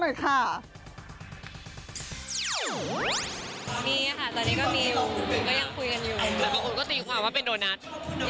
ยังไม่รู้เป็นเรื่องของอนาคต